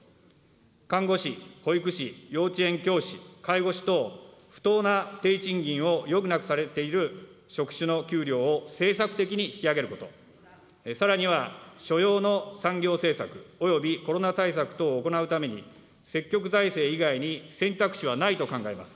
看護師、保育士、幼稚園教師、介護士等、不当な低賃金を余儀なくされている職種の給料を政策的に引き上げること、さらには所要の産業政策、およびコロナ対策等を行うために、積極財政以外に選択肢はないと考えます。